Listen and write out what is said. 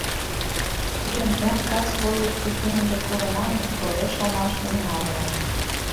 Тудым, эр-кас вольык кӱтӱ ынже пуро манын, тореш ломаш дене авырыме.